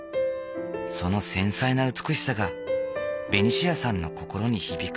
その繊細な美しさがベニシアさんの心に響く。